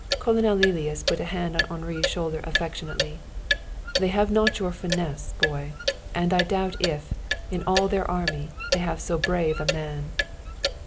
Colonel Lilias put a hand on Henri's shoulder affectionately. "They have not your finesse, boy. And I doubt if, in all their army, they have so brave a man."